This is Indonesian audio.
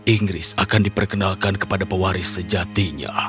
inggris akan diperkenalkan kepada pewaris sejatinya